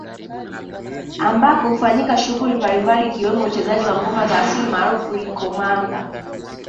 Ambako hufanyika shughuli mbalimbali ikiwemo uchezaji wa ngoma za asili maarufu Likomanga